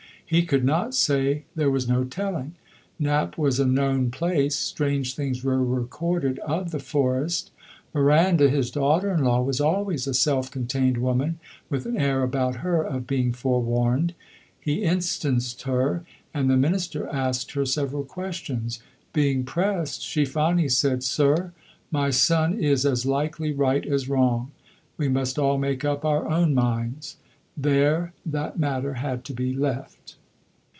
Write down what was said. He could not say, there was no telling; Knapp was a known place; strange things were recorded of the forest. Miranda, his daughter in law, was always a self contained woman, with an air about her of being forewarned. He instanced her, and the minister asked her several questions. Being pressed, she finally said, "Sir, my son is as likely right as wrong. We must all make up our own minds." There that matter had to be left.